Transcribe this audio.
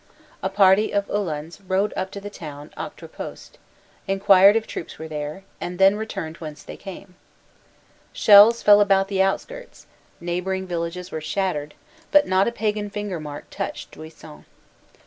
A party of Uhlans rode up to the town octroi post, enquired if troops were there, and then returned whence they came. Shells fell about the outskirts, neighbor ing villages were shattered, but not a pagan finger mark touched Duisans.